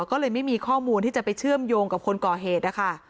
ก็เลยไม่มีข้อมูลที่จะไปเชื่อมโยงกับคนก่อเหตุนะคะ